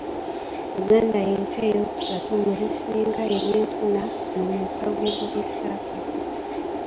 Uganda y'ensi eyokusatu mu zisinga ebyenfuna mu mukago gwa East Africa